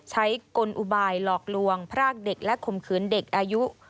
กลอุบายหลอกลวงพรากเด็กและข่มขืนเด็กอายุ